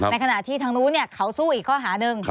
ในขณะที่ทางนู้นเขาสู้อีกข้อหาหนึ่ง